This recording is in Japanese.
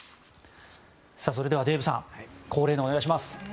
それではデーブさん恒例のお願いします。